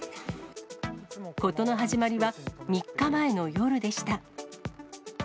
事の始まりは３日前の夜でした。